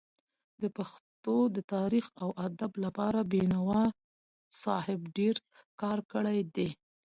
د پښتو د تاريخ او ادب لپاره بينوا صاحب ډير کار کړی دی.